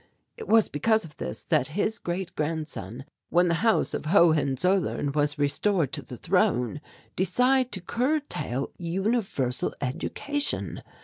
It was because of this that his great grandson, when the House of Hohenzollern was restored to the throne, decided to curtail universal education.